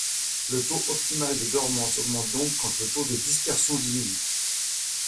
Le taux optimal de dormance augmente donc quand le taux de dispersion diminue.